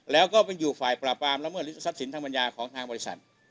แล้วก็เป็นอยู่ฝ่ายปราบความละเมิดฤทธิสินทางบริษัทของทางบริษัท